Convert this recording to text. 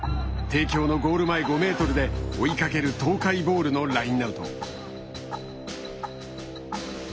帝京のゴール前５ｍで追いかける東海ボールのラインアウト。